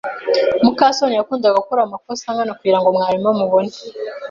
muka soni yakundaga gukora amakosa nkana kugirango mwarimu amubone.